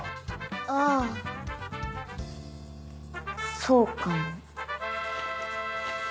あぁそうかも。